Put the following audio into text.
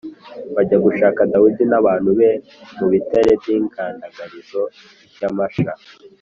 bajya gushaka Dawidi n’abantu be mu bitare by’igandagarizo ry’amasha.